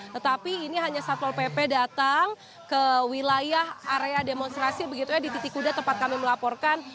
tetapi ini hanya satpol pp datang ke wilayah area demonstrasi begitu ya di titik kuda tempat kami melaporkan